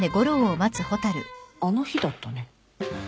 あの日だったね。